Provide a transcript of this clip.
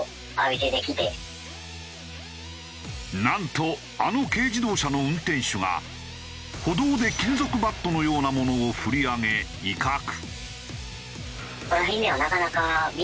なんとあの軽自動車の運転手が歩道で金属バットのようなものを振り上げ威嚇。